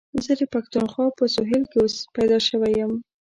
زه د پښتونخوا په سهېل کي پيدا شوی یم.